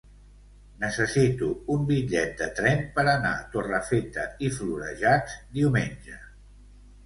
Necessito un bitllet de tren per anar a Torrefeta i Florejacs diumenge.